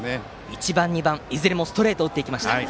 １番、２番いずれもストレートを打っていきました。